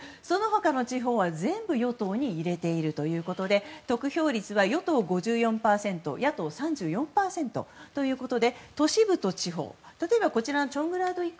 その他の地方は全部与党に入れているということで得票率は与党５４％野党３８％ということで都市部と地方例えばこちらのチョングラード